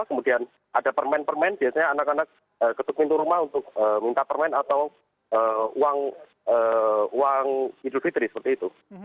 kemudian ada permen permen biasanya anak anak ketuk pintu rumah untuk minta permen atau uang idul fitri seperti itu